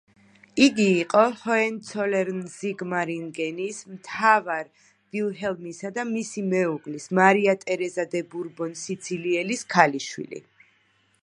იგი იყო ჰოენცოლერნ-ზიგმარინგენის მთავარ ვილჰელმისა და მისი მეუღლის, მარია ტერეზა დე ბურბონ-სიცილიელის ქალიშვილი.